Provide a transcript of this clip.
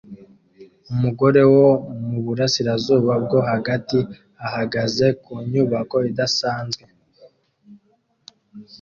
Umugore wo mu burasirazuba bwo hagati ahagaze ku nyubako idasanzwe